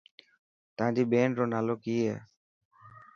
تانجي ٻين رو نالو ڪي هي.